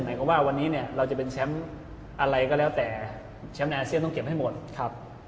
หมายความว่าวันนี้เนี่ยเราจะเป็นแชมป์อะไรก็แล้วแต่แชมป์อาเซียนต้องเก็บให้หมดครับ